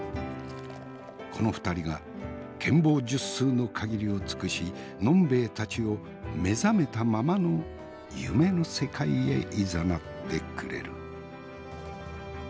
この２人が権謀術数の限りを尽くし呑兵衛たちを目覚めたままの夢の世界へいざなってくれる。